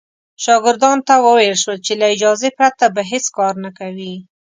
شاګردانو ته وویل شول چې له اجازې پرته به هېڅ کار نه کوي.